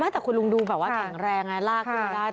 แต่คุณลุงดูแบบว่าแข็งแรงลากดูได้